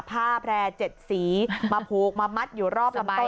ผ้าแพร่๗สีมาผูกมามัดอยู่รอบลำต้น